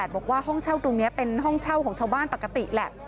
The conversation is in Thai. บอกว่าห้องเช่าตรงนี้เป็นห้องเช่าของชาวบ้านปกติแหละ